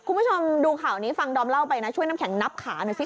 คุณผู้ชมดูข่าวนี้ฟังดอมเล่าไปนะช่วยน้ำแข็งนับขาหน่อยสิ